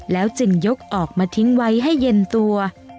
แล้วจึงยกออกมาทิ้งไว้ให้เย็นตัว